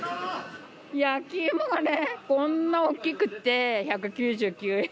焼き芋がねこんな大きくて１９９円。